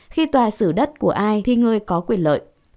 khi tòa sử đất của ai thì người có quyền lợi